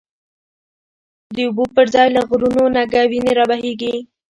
د اوبو پر ځای له غرونو، نګه وینی رابهیږی